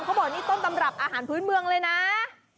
เขาบอกนี่ต้นตำรับอาหารพื้นเมืองเลยนะ